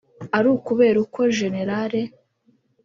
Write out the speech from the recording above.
ari ukureba uko Gen